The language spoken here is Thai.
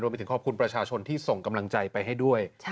ไปถึงขอบคุณประชาชนที่ส่งกำลังใจไปให้ด้วย